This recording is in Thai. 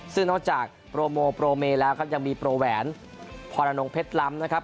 ซึ่งนอกจากโปรโมโปรเมแล้วครับยังมีโปรแหวนพรนงเพชรล้ำนะครับ